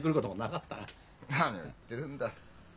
何を言ってるんだ。